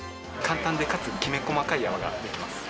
簡単でかつきめ細かい泡ができます。